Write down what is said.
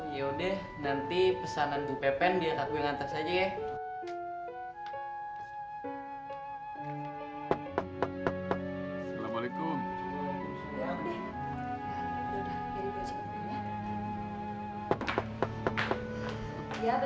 yaudah nanti pesanan dupen pen dia kak gue ngantas aja ya